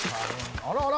あらあら！